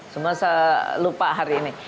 semua saya lupa hari ini